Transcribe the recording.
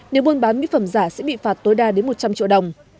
nếu buôn bán mỹ phẩm giả sẽ bị phạt tối đa đến một trăm linh triệu đồng